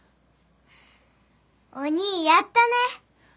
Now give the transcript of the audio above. おにぃやったね。